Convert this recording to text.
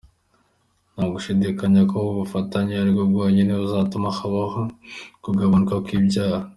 Ntagushidikanya ko ubu bufatanye aribwo bwonyine buzatuma habaho ukugabanuka kw’ibyaha.”